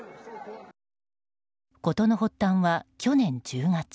事の発端は去年１０月。